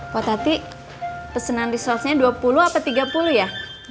poh tati pesenan resource nya dua puluh apa tiga puluh ya